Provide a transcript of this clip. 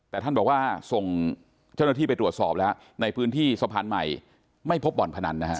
แต่ท่านบอกว่าส่งเจ้าหน้าที่ไปตรวจสอบแล้วในพื้นที่สะพานใหม่ไม่พบบ่อนพนันนะฮะ